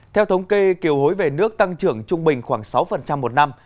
theo thống kê kiều hối về nước tăng trưởng trung bình khoảng sáu một năm